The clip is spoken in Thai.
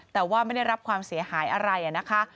แต่ว่าไม่ได้รับความเสียหายอะไรนะคะ